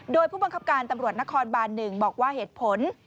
โดยผู้บังคับการตำรวจนครบาน๑บอกว่าเหตุผล